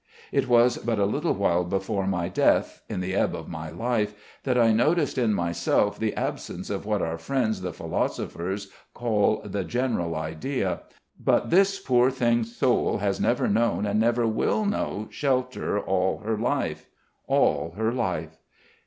It was but a little while before my death, in the ebb of my life, that I noticed in myself the absence of what our friends the philosophers call the general idea; but this poor thing's soul has never known and never will know shelter all her life, all her life.